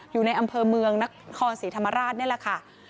อยู่ในอำเภอเมืองนครศรีธรรมราชนี่แหละค่ะ